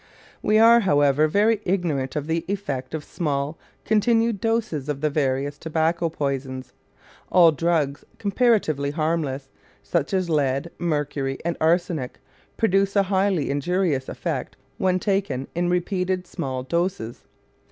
We are, however, very ignorant of the effect of small, continued doses of the various tobacco poisons. All drugs comparatively harmless, such as lead, mercury, and arsenic, produce a highly injurious effect when taken in repeated small doses.